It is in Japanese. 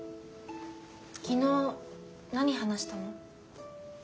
昨日何話したの？